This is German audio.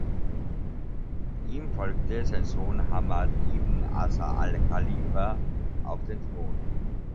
Ihm folgte sein Sohn Hamad ibn Isa Al Khalifa auf dem Thron.